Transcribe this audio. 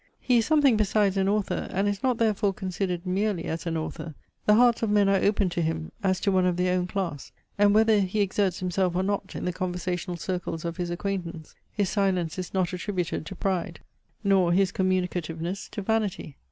He is something besides an author, and is not therefore considered merely as an author. The hearts of men are open to him, as to one of their own class; and whether he exerts himself or not in the conversational circles of his acquaintance, his silence is not attributed to pride, nor his communicativeness to vanity.